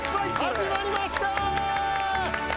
始まりました！